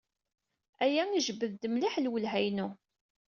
Aya ijebbed-d mliḥ lwelha-inu.